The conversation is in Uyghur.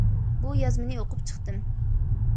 بۇ يازمىنى ئوقۇپ چىقتىم.